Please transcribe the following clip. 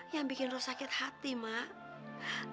yang bikin lo sakit hati mak